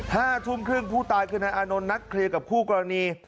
ห้าทุ่มครึ่งผู้ตายคือนายอานนท์นัดเคลียร์กับคู่กรณี